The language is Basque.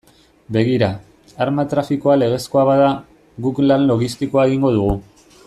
Begira, arma trafikoa legezkoa bada, guk lan logistikoa egingo dugu.